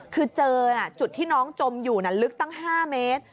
คือเจอจุดที่น้องจมอยู่ลึกตั้ง๕เมตร